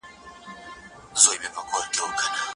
معلم صاحب، مهرباني وکړئ زموږ پاڼه وړاندي کړئ.